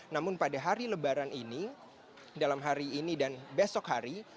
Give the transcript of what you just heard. namun pada hari lebaran ini dalam hari ini dan besok hari